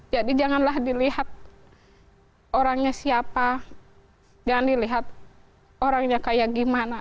jadi janganlah dilihat orangnya siapa jangan dilihat orangnya kayak gimana